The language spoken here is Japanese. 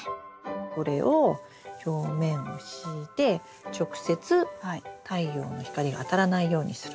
これを表面を敷いて直接太陽の光があたらないようにする。